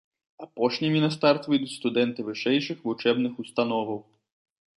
Апошнімі на старт выйдуць студэнты вышэйшых вучэбных установаў.